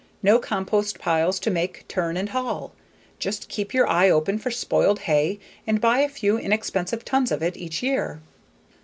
No compost piles to make, turn, and haul. Just keep your eye open for spoiled hay and buy a few inexpensive tons of it each year.